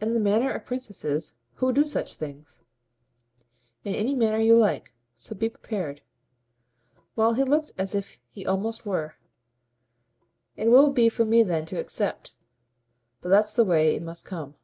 "In the manner of princesses, who do such things?" "In any manner you like. So be prepared." Well, he looked as if he almost were. "It will be for me then to accept. But that's the way it must come."